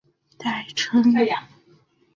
在欧美堪称旅行指南的代称。